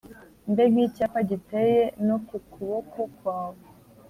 mbe nk’icyapa giteye no ku kuboko kwawe,